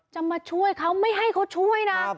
จะมาช่วยเขาไม่ให้เขาช่วยนะ